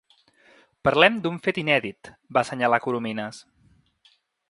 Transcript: Parlem d’un fet inèdit –va assenyalar Corominas–.